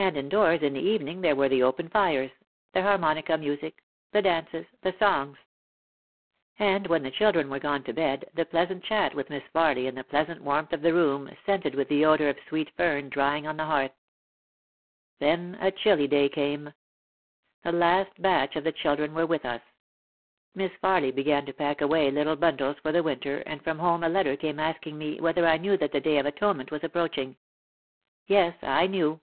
And indoors in the evening there were the open fires, the harmonica music, the dances, the songs. And when the children were gone to bed the pleasant chat with Miss Farly in the pleasant warmth of the room scented with the odour of sweet fern drying on the hearth. Then a chilly day came. The last batch of the children were with us. Miss Farly began to pack away little bundles for the winter and from home a letter came ask ing me whether I knew that the Day of Atonement was approaching. Yes, I knew.